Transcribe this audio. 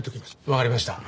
わかりました。